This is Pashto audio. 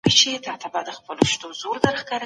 خپل نیابتي متحدین وساتي، حتی ونه توانېدی، چي پر خپله